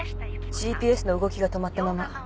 ＧＰＳの動きが止まったまま。